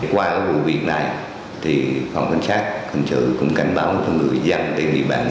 qua vụ việc này thì phòng khám sát phòng trưởng cũng cảnh báo cho người dân để bị bản tình